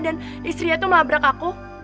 dan istrinya itu melabrak aku